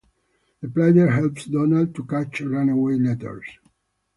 The player helps Donald to catch runaway letters.